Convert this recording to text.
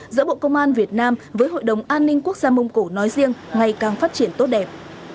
giữa bộ công an việt nam với hội đồng an ninh quốc gia mông cổ nói riêng ngày càng phát triển tốt đẹp